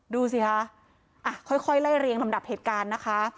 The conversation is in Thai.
ดูสิคะค่อยไล่เรียงลำดับเหตุการณ์นะคะ